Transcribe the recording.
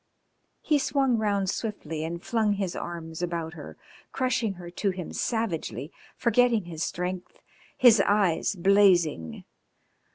He swung round swiftly and flung his arms about her, crushing her to him savagely, forgetting his strength, his eyes blazing.